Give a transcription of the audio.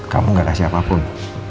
kamu gak kasih apapun